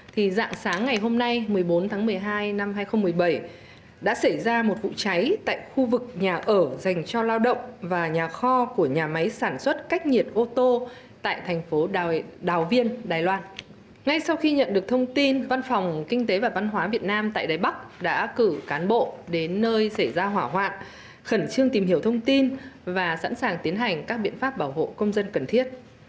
thì cái nhận thức này để chúng ta nói rằng chúng ta còn nhiều khó khăn còn những hạn chế